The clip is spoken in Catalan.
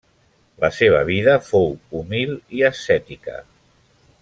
La seva vida fou humil i ascètica.